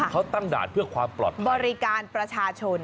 เขาตั้งด่านเพื่อความปลอดภัยบริการประชาชน